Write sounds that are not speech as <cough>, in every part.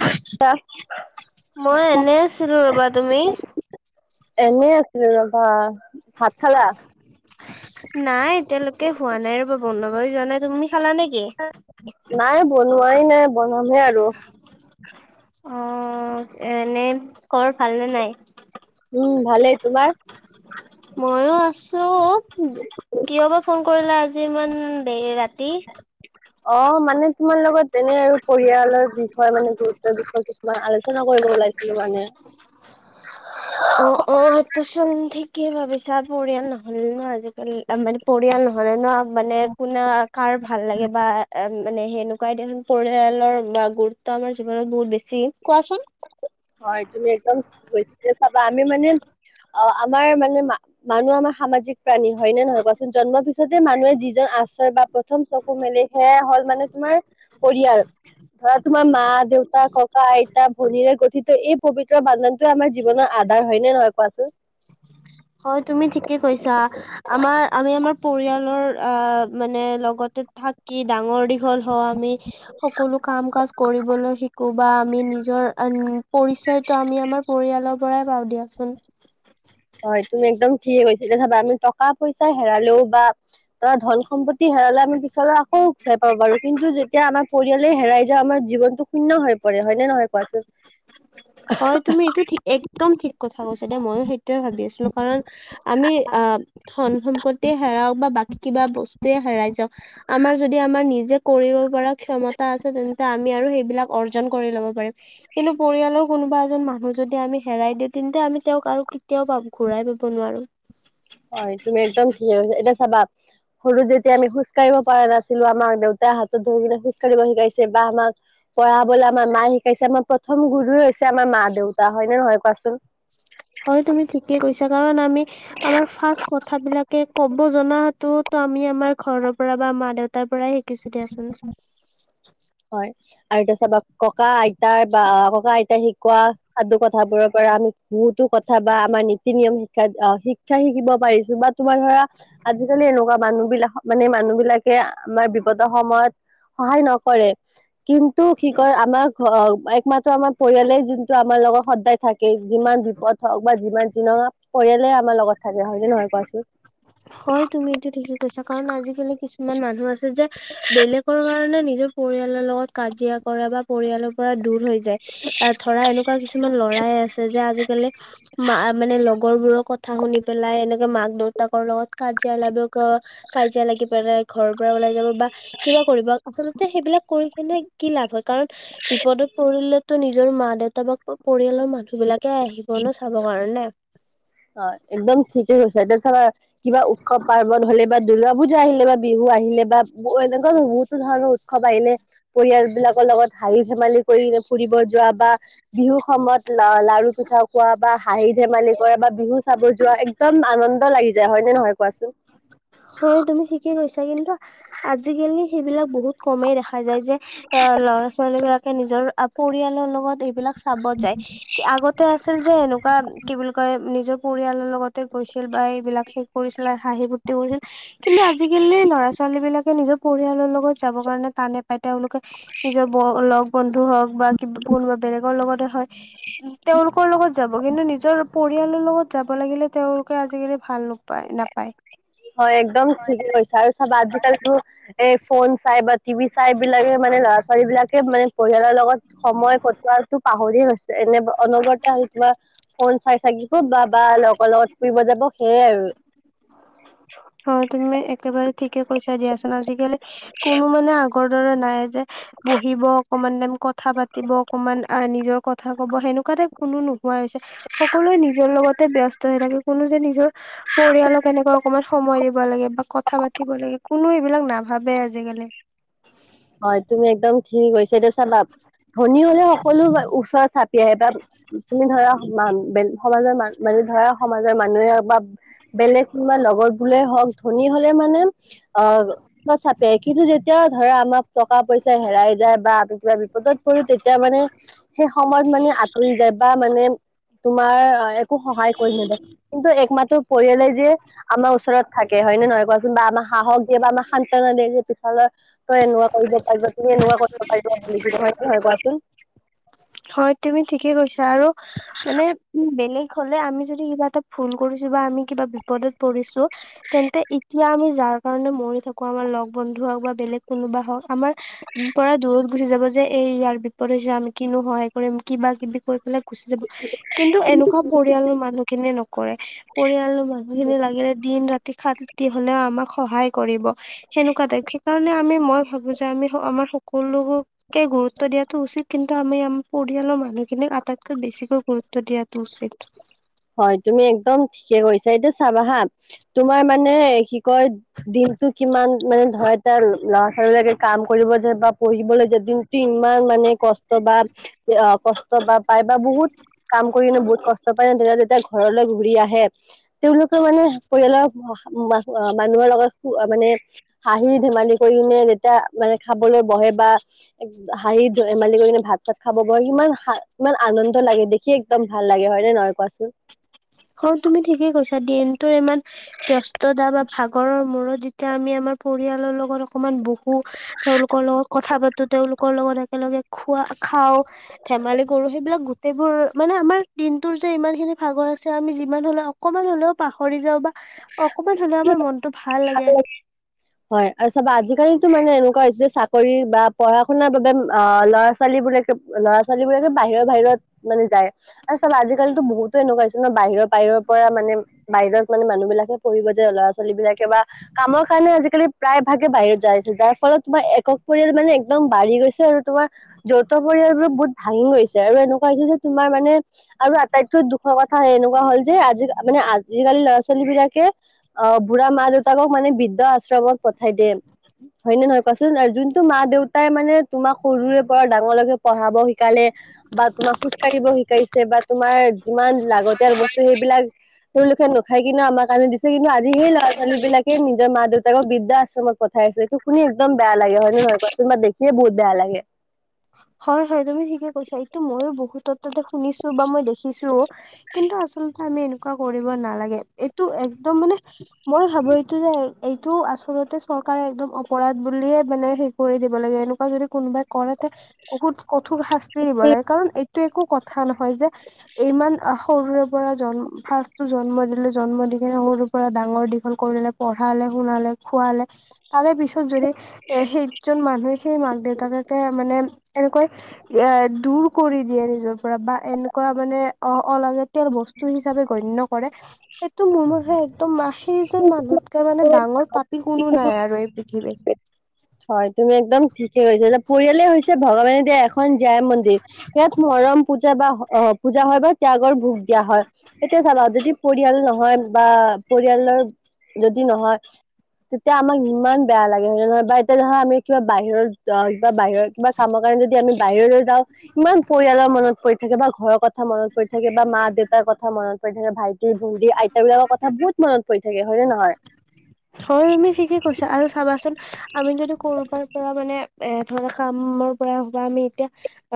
<unintelligible> মই এনে আছিলো ৰবা তুমি এনেই আছিলো ৰ'বা। ভাত নাই, খালা এতিয়ালৈকে শুৱা নাই আৰু। <unintelligible> যোৱা নাই, তুমি খালা নেকি? নাই বনোৱাই নাই, বনাম'হে আৰু। অ', এনেই ঘৰত ভাল নে নাই? উমঁ' ভালেই, তোমাৰ? মইও আছো, - কিয় বা ফোন কৰিলা আজি ইমান দেৰি ৰাতি? অ', মানে তোমাৰ লগত এনেই আৰু পৰিয়ালৰ বিষয়ে মানে গুৰুত্বৰ বিষয়ে কিছুমান আলোচনা কৰিব ওলাইছো। সেইটোৱে। অঁ', -অঁ', -সেইটোচোন ঠিকেই ভাবিছা, পৰিয়াল নহ'ল ন' আজিকালি মানে পৰিয়াল নহ'লে ন' মানে কোনে কাৰ ভাল লাগে বা। মানে সেনেকুৱাই দিয়া নো পৰিয়ালৰ গুৰুত্ব আমাৰ জীৱনত বহুত বেছি। কোৱাচোন? হয়, তুমি একদম বেছিভাগ চাবা আমি মানে- অ', আমাৰ মানে মানুহ আমাৰ সামাজিক প্ৰাণী হয় নে নহয়। জন্মৰ পিছতে মানুহে যিজন আশ্ৰয় বা প্ৰথম চকু মেলে সেয়াই হ'ল মানে তোমাৰ- পৰিয়াল। ধৰা' তোমাৰ মা, দেউতা, ককা, আই শৰীৰে গঠিত এই পবিত্ৰ বান্ধনটোৱে আমাৰ জীৱনৰ আধাৰ হয় নে নহয় কোৱাচোন হয় তুমি ঠিকে কৈছা আমাৰ আমি আমাৰ পৰিয়ালৰ আ মানে লগতে থাকি ডাঙৰ দিঘ দীঘল হওঁ আমি সকলো কাম কাজ কৰিবলৈ শিকো বা আমি নিজৰ পৰিচয়টো আমি আমাৰ পৰিয়ালৰ পৰাই পাওঁ দিয়াচোন হয় তুমি একদম ঠিকে কৈছা দে চাবা আমি টকা পইচা হেৰালেও বা ধৰা ধন সম্পত্তি হেৰালে আমি পিছলৈ আকৌ ঘুৰাই পাব পাৰো কিন্তু এতিয়া আমাৰ পৰিয়ালে হেৰাই যোৱা আমাৰ জীৱনটো শূন্য হৈ পৰে হয় নে নহয় কোৱাচোন হয় এইটো একদম ঠিক কথা কৈছা ময়ো সেইটোয়ে ভাবি আছিলো কাৰণ আমি আহ ধন সম্পত্তি হেৰাওক বা বাকী কিবা বস্তুৱে হেৰাই যাওঁক আমাৰ যদি আমাৰ নিজে কৰিব পৰা ক্ষমতা আছে তেন্তে আমি আৰু সেইবিলাক অৰ্জন কৰি ল'ব পাৰিম। কিন্তু পৰিয়ালৰ কোনোবা এজন মানুহ যদি আমি হেৰাই দিওঁ তেন্তে আমি তেওঁক আৰু কেতিয়াও প ঘূৰাই পাব নোৱাৰো। হয়। তুমি একদম ঠিকেই কৈছা। এতিয়া চাবা সৰুতে যেতিয়া আমি খোজ কঢ়িব পৰা নাছিলো আমাক দেউতাই হাতত ধৰি কিনে খোজ কঢ়িব শিকাইছে বা আমাক পঢ়াবলৈ আমাৰ মায়ে শিকাইছে আমাৰ প্ৰথম গুৰুৱে হৈছে আমাৰ মা দেউতা। হয়নে নহয় কোৱাচোন? <inaudible> হয় তুমি ঠিকে কৈছা, কাৰণ আমি আমাৰ ৰ্ফাষ্ট কথা বিলাকে কব ক'ব জনাতো তো আমি আমাৰ ঘৰৰ পৰা বা মা দেউতাৰ পৰাই শিকো হয়। আৰু তাৰপিছত ককা আইতাৰ বা ককা আইতাই শিকোৱা সাধু কথাবোৰৰ পৰা আমি বহুতো কথা বা আমাৰ নীতি নিয়ম শিকাত শিক্ষা শিকিব পাৰিছো। বা তোমাৰ ধৰা আজিকালি এনেকুৱা মানুহ বিলাক মানে মানুহ বিলাকে আমাৰ বিপদৰ সময়ত সহায় নকৰে। কিন্তু কি কয় আমাৰ ঘৰ একমাত্ৰ আমাৰ পৰিয়ালে যোনটো আমাৰ লগত সদায় থাকে। যিমান বিপদ হওঁক বা যিমান যা পৰিয়ালে আমাৰ লগত থাকে হয় নহয় কোৱাচোন? হয়। তুমি এইটো ঠিকে কৈছা, কাৰণ আজিকালি কিছুমান মানুহ আছে যে বেলেগৰ কাৰণে নিজৰ পৰিয়ালৰ লগত কাজিয়া কৰে বা পৰিয়ালৰ পৰা দূৰ দূৰ হৈ যায়। আহ ধৰা এনেকুৱা কিছুমান লৰাই আছে যে আজিকালি মা মানে লগৰ বোৰৰ কথা শুনি পেলাই এনে কে মাক দেউতাকৰ লগত কাজিয়া লাগে কাজিয়া লাগি পেলাই ঘৰৰ পৰা ওলাই যাব। বা কিবা কৰিব আচলতে সেইবিলাক কৰি কিনে কি লাভ হয়, কাৰন বিপদত পৰিলেটো নিজ নিজৰ মা দেউতা বাকী পৰিয়ালৰ মানুহ বিলাকে আহিব ন চাব কাৰনে। অ' একদম ঠিকেই কৈছা। এতিয়া চা কিবা উৎসৱ পাৰ বন হ'লে বা দুূৰ্গা পূজা আহিলে বা বিহু আহিলে বা এনেকুৱা বহুতো ধৰণৰ উৎসৱ আহিলে পৰিয়াল বিলাকৰ লগত হাঁহি ধেমালি কৰি ফুৰিব যোৱা বা বিহু সময়ত লাৰু পিঠা খোৱা বা হাঁহি ধেমালি কৰা বা বিহু চাব যোৱা এক্দম আনন্দ লাগি যায়। হয়নে নহয় কোৱাচোন? হয় তুমি ঠিকে কৈছা, কিন্তু আজিকালি সেই বিলাক বহুত কমেই যায়। যে ল'ৰা ছোৱালী বিলাকে নিজৰ পৰিয়ালৰ লগত এইবিলাক চাব যায়। কি আগতে তে আছিল যে এনেকুৱা কি বুলি কয় নিজৰ পৰিয়ালৰ লগতে গৈছিল বা এইবিলাক কৰিছিলে, হাঁহি ফূৰ্তি কৰিছিল, কিন্তু আজিকালি ল'ৰা ছোৱালী বিলাকে নিজৰ পৰিয়ালৰ লগ ত যাবৰ কাৰণে টানে পায়, তেওঁলোকে নিজৰ লগ বন্ধু হওঁক বা কিবা কোনোবা বেলেগৰ লগতে হয় তেওঁলোকৰ লগত যাব।, কিন্তু নিজৰ পৰিয়ালৰ লগত যাব লাগিলে তেওঁওলোকে আজিকালি ভাল ন পায় নাপায়। হয়, একদম ঠিকে কৈছা, আৰু চাবা আজিকালিতো এ ফোন চাই বা টিভি চাই বিলাকে মানে ল'ৰা ছোৱালী বিলাকে মানে পৰিয়ালৰ লগত সময় কটোৱাটো পাহৰি গৈছে। এনেই অনবৰতে কিবা ফোন চাই থাকিব বা বা লগৰ লগত ফুৰিব যাব সেইয়াই আৰু। হয়। তুমি একেবাৰে ঠিকে কৈছা দিয়াচোন। আজিকালি কোনো মানে আগ আগৰ দৰে নাই যে বহিব অকমান টাইম কথা পাতিব অকমান নিজৰ কথা কব সেনেকুৱা টাইপ কোনো নোহোৱা হৈছে। সকলোৱে নিজৰ লগতে ব্যস্ত হৈ থাকে কোনো যে নিজৰ পৰিয়ালক তেনেকুৱা অকমান সময় দিব লাগে বা কথা পাতিব লাগে কোনো এইবিলাক নাভাবে আজিকালি। হয়, তুমি একদম ঠিক কৈছা দেই চাবা ধনী হ'লে সকলো ওচৰত চাপি আহে। তাত তুমি ধৰা মান বে সমাজৰ‌ মানে ধৰা সমাজৰ মানুহে বা বেলেগ কোনোবা লগৰ বোলে হওঁক ধনী হলে মানে আহ ওচৰ চাপে কিন্তু যেতিয়া ধৰা আমাক টকা পইচা হেৰাই যায় বা আমি কিবা বিপদত পৰো তেতিয়া মানে সেই সময়ত মানে আঁতৰি যায় বা মানে তোমাৰ একো সহায় কৰি নিদিয়ে কিন্তু একমাত্ৰ পৰিয়ালে যে আমাৰ ওচৰত থাকে হয় নে নহয় কোৱাচোন বা আমাক সাহস দিয়ে বা আমাক সন্তনা দিয়ে যে পিছালৈ‌ তই এনেকুৱা কৰিব পাৰিবা তুমি এনেকুৱা কৰিব পাৰিবা বুলি হয়নে নহয় কোৱাচোন হয় তুমি ঠিকেই কৈছা আৰু মানে উম বেলেগ হলে আমি যদি কিবা এটা ভুল কৰিছো বা আমি কিবা বিপদত পৰিছো তেন্তে এতিয়া আমি যাৰ কাৰণে মৰি থাকোৱা আমাৰ লগ বন্ধু হওক বা বেলেগ কোনোবা হওক আমাৰ পৰা দূৰৈত গুচি যাব যে এই ইয়াৰ বিপদ হৈছে আমি কিনো সহায় কৰিম কিবা কিবি কৈ পেলাই গুচি যাব কিন্তু এনেকুৱা পৰিয়ালৰ মানুহখিনিয়ে নকৰে পৰিয়ালৰ মানুহখিনি লাগিলে দিন ৰাতি খাতি হলেও আমাক সহায় কৰিব সেনেকুৱা টাইপ সেইকাৰণে আমি মই ভাবো যে আমি সক আমাৰ সক সকলো লোককে গুৰুত্ব দিয়াটো উচিত কিন্তু আমি আম পৰিয়ালৰ মানুহখিনিক আটাইতকৈ বেছিকৈ গুৰুত্ব দিয়াতো উচিত হয় তুমি একদম ঠিকে কৈছা এতিয়া চাবা হা তোমাৰ মানে কি কয় দিনটো কিমান মানে ধৰা এতিয়া ল'ৰা ছোৱালীবিলাকে কাম কৰিব যে বা পঢ়িবলৈ যে দিন দিনমানে কষ্ট বা অ কষ্ট বা পায় বা বহুত কাম কৰিনে বহুত কষ্ ট পায় তেতিয়া তেতিয়া ঘৰলৈ ঘূৰি আহে তেওঁলোকে মানে পৰিয়ালৰ মা মা মানুহৰ লগত মানে হাঁহি ধেমালি কৰি কিনে যেতিয়া মানে খাবলৈ বহে বা এক- হাঁহি ধেমালি কৰি কিনে ভাত চাত খাব বহে ইমান শা- ইমান আনন্দ লাগে দেখি একদম ভাল লাগে হয় হয়নে নহয় কোৱাচোন হয় তুমি ঠিকেই কৈছা দিনটোৰ ইমান ব্যস্ততা বা ভাগৰৰ মূৰত যেতিয়া আমি আমাৰ পৰিয়ালৰ লগত অকমান বহু বহু তেওঁলোকৰ লগত কথা পাতো তেওঁলোকৰ লগত একেলগে খোৱা খাওঁ ধেমালি কৰো সেইবিলাক গো গোটেইবোৰ মানে আমাৰ দিনটোৰ যে ইমান খিনি ভগৰ আছে আমি যিমান হলেও অকমান হ'লেও পাহৰি যাওঁ বা অকমান হ'লেও আমাৰ মনটো ভাল লাগে। <unintelligible> হয়। আৰু চাবা আজিকালিতো মানে এনেকুৱা হৈছে যে চাকৰি বা পঢ়া শুনাৰ বাবে অ' ল'ৰা ছোৱালীবিলাকে ল'ৰা ছোৱালীবিলাকে বাহিৰত বাহিৰত মানে যায়। আৰু চাবা আজিকালিতো বহুতো এনেকুৱা হৈছে ন বাহিৰৰ বাহিৰৰ পৰা মানে বাহিৰত মানে মানুহবিলাকে পঢ়িব‌ যে ল'ৰা ছোৱালী বিলাকে বা কামৰ কাৰণে আজিকালি প্ৰায় ভাগে বাহিৰত যাই আছে, যাৰ ফলত তোমাৰ একক পৰিয়াল মানে একদম বাঢ়ি গৈছে আৰু তোমাৰ যৌথ পৰিয়ালবোৰ বহুত ভাঙি গৈছে। আৰু এনেকুৱা হৈছে যে তোমাৰ মানে আৰু আটাইতকৈ দুখৰ কথা এয়ে এনেকুৱা হ'ল যে আজি মানে আজিকালি ল'ৰা ছোৱালী বিলাকে অ', বুঢ়া মাক দেউতাকক মানে বৃদ্ধ আশ্ৰমত পঠাই দিয়ে। হয়নে নহয় কোৱাচোন? যোনটো মা দেউতাই মানে তোমাক সৰুৰে পৰা ডাঙৰলৈকে পঢ়াব শিকালে বা তোমাক খোজ কঢ়িব শিকাইছে বা তোমাৰ যিমান লাগতিয়াল বস্তু সেইবিলাক তেওঁলোকে নাখাই কিনে আমাৰ কাৰণে দিছে, কিন্তু আজি সেই ল'ৰা ছোৱালীবিলাক সেই নিজৰ মা দেউতাকক বৃদ্ধা আশ্ৰমত পাঠাইছে এইটো শুনি একদম বেয়া লাগে হয়নে নহয় কোৱাচোন বা দেখিয়ে বহুত বেয়া লাগে। হয়, হয় তুমি ঠিকে কৈছা। এইটো ময়ো বহুতৰ তাতে শুনিছো। বা মই দেখিছো, কিন্তু আচলতে আমি এনেকুৱা কৰিব নালাগে এইটো একদম মানে মই ভাবো এইটো যে এইটো আচলতে চৰকাৰে একদম অপৰাধ বুলিয়ে মানে হেৰি কৰি দিব লাগে, এনেকুৱা যদি কোনোবাই কৰে তে বহুত কঠোৰ শাস্তি দিব লাগে, কাৰণ এইটো একো কথা নহয় যে ইমান সৰুৰে পৰা ফাৰ্ষ্টটো জন্ম দিলে, জন্ম দি কিনে সৰুৰ পৰা ডাঙৰ দীঘল কৰিলে পঢ়ালে শুনালে খুৱালে। তাৰে পিছত যদি এ সেইজন মানুহে সেই মাক দেউতাকাকে মানে এনেকৈ এ দূৰ কৰি দিয়ে নিজৰ পৰা, বা এনেকুৱা মানে অ' অলাগ টিয়াল বস্তু হিচাপে গণ্য কৰে, সেইটো মোৰ মতে একদম সেইজন মানুহ মানে ডাঙৰ পাপি কোনো নাই আৰু এই পৃথিৱীত। হয়, তুমি একদম ঠিকে কৈছা। যে পৰিয়ালে হৈছে ভগৱানে দিয়া এখন জাই মন্দিৰ। ইয়াত মৰম পূজা বা অ' পূজা হয় বা ত্যাগৰ ভোগ দিয়া হয়। এতিয়া চাবা যদি পৰিয়াল নহয় বা পৰিয়ালৰ যদি নহয়। তেতিয়া আমাক ইমান বেয়া লাগে হয় নে নহয়। বা তেনেহ'লে আমি কিবা বাহিৰত বা বা বাহিৰৰ কিবা কামৰ কাৰণে যদি আমি বাহিৰলৈ যাওঁ। ইমান পৰিয়ালৰ মনত পৰি থাকে বা ঘৰৰ কথা মনত পৰি থাকে বা মা দেউতাৰ কথা মনত পৰি থাকে, ভাইটি ভন্টি আইতা বিলাকৰ কথা বহুত মনত পৰি থাকে হয় নে নহয়। হয়, তুমি ঠিকে কৈছা। আৰু চাবাচোন আমি যদি ক'ৰবাৰ পৰা মানে এ ধৰা কামৰ পৰা বা আমি এতিয়া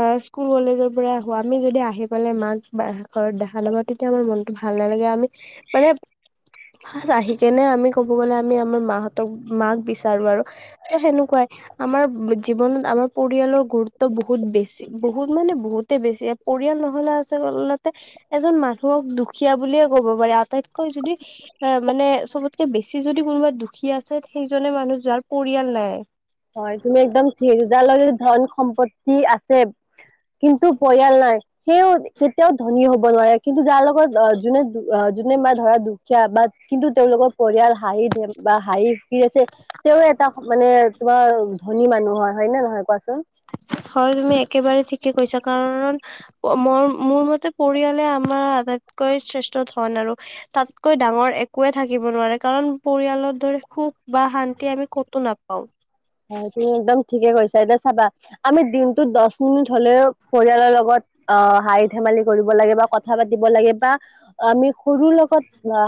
অ', স্কুল কলেজৰ পৰা আহো, আমি যদি আহি পেলাই মাক বা ঘৰত দেখা নাপাওঁ তেতিয়া আমাৰ মনতটো ভাল নালাগে। আমি মানে আহি কেনে আমি ক'ব গ'লে আমি আমাৰ মাহঁতক মাক বিচাৰো আৰু। ত' সেনেকুৱাই, আমাৰ জীৱনত আমাৰ পৰিয়ালৰ গুৰুত্ব বহুত বেছি। বহুত মানে বহুতে বেছি। পৰিয়াল নহ'লে আচলতে এজন মানুহক দুখীয়া বুলিয়ে ক'ব পাৰে। আটাইতকৈ যদি অ', মানে চবতকে বেছি যদি কোনোবা দুখীয়া আছে সেইজনে মানুহ যোৱাৰ পৰিয়াল নাই। হয়। তুমি একদম ঠিক, যাৰ লগত যদি ধন সম্পত্তি আছে। কিন্তু পৰিয়াল নাই। সেও কেতিয়াও ধনী হ'ব নোৱাৰে, কিন্তু যাৰ লগত অ' যোনে যোনে ম ধৰা দুখ শিকা বা কিন্তু তেওঁলোকৰ পৰিয়াল হাঁহি ধে বা হাঁহি ফুৰ্টি আছে তেওঁ এটা মানে তোমাৰ ধনী মানুহৰ হয় নে নহয় কোৱাচোন? হয়, তুমি একেবাৰে ঠিকে কৈছা। কাৰণ মই মোৰ মতে পৰিয়ালে আমাৰ আটাইতকৈ চেষ্টা ধন আৰু তাতকৈ ডাঙৰ একোৱে থাকিব নোৱাৰে কাৰণ পৰিয়ালৰ ধৰে সুখ বা শান্তি আমি কতো নাপাও। হয় তুমি একদম ঠিকে কৈছা এতিয়া চাবা আমি দিনটো দহ মিনিট হলেও পৰিয়ালৰ লগত অ হাঁহি ধেমালি কৰিব লাগে বা কথা পাতিব লাগে বা আমি সৰুৰ লগত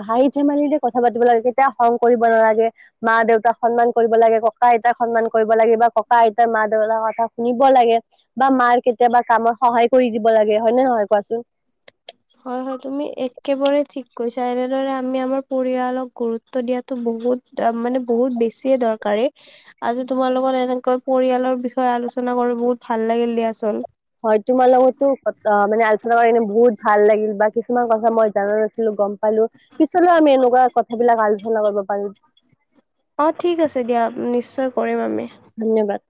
হাঁহি ফেমেলিৰে কথা পাতিব লাগে কেতিয়া খং কৰিব নালাগে। মা দেউতাক সন্মান কৰিব লাগে ককা সন্মান কৰিব লাগে বা ককা আইতাৰ মা দেউতাৰ কথা শুনিব লাগে। বা মাৰ কেতিয়াবা কামত সহায় কৰি দিব লাগে হয় নে নহয় কোৱাচোন। হয় হয় তুমি একেবাৰে ঠিক কৈছা এনেদৰে আমি আমাৰ পৰিয়ালক গুৰুত্ব গুৰুত্ব দিয়াতো বহুত মানে বহুত বেছিয়ে দৰকাৰী। আজি তোমাৰ এনেকৈ পৰিয়ালৰ বিষয়ে আলোচনা কৰি বহুত ভাল দিয়াচোন। হয় তোমাৰ লগতো মানে আলোচনা কৰনে বহুত ভাল লাগিল বা কিছুমান কথা মই জানো নৈছিলো গম পালো পিছলৈ আমি এনেকুৱা কথাবিলাক আলোচনা কৰিব পাৰো। অ ঠিক আছে দিয়া নিশ্চয় কৰিম আমি। ধন্যবাদ।